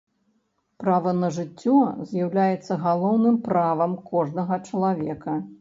Права на жыццё з'яўляецца галоўным правам кожнага чалавека.